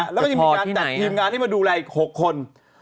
แล้วก็ยังมีการจัดทีมงานให้มาดูแลอีก๖คน